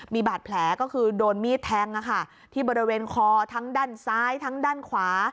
มีบาดแผลก็คือโดนมีดแทงที่บริเวณคอทั้งด้านซ้ายทั้งด้านขวา